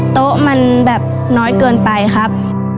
โต๊ะมันแบบน้อยเกินไปครับ